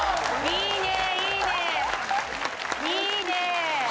いいね。